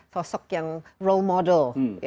sosok yang role model